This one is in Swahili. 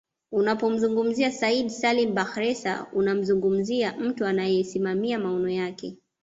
Unapomzungumzia Said Salim Bakhresa unamzungumzia mtu anayesimamia maono yake